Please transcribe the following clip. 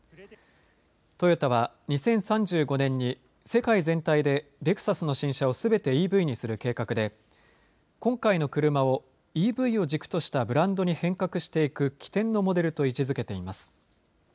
トヨタは、２０３５年に世界全体でレクサスの新車をすべてＥＶにする計画で今回の車をＥＶを軸としたブランドに変革していく起点のモデルと位置づけています。